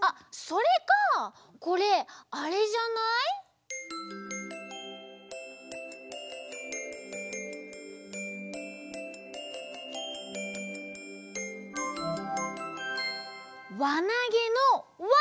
あっそれかこれあれじゃない？わなげのわ！